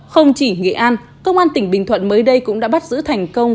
không chỉ nghệ an công an tỉnh bình thuận mới đây cũng đã bắt giữ thành công